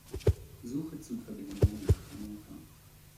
Suche Zugverbindungen nach Hannover.